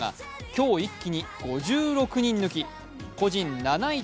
今日一気に５６人抜き個人７位